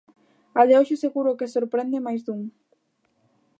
A de hoxe seguro que sorprende máis dun.